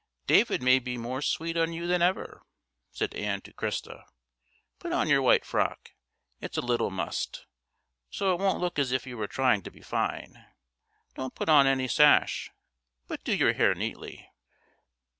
David may be more sweet on you than ever," said Ann to Christa. "Put on your white frock: it's a little mussed, so it won't look as if you were trying to be fine; don't put on any sash, but do your hair neatly."